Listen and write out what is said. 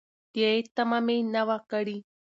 د عاید تمه مې نه وه کړې.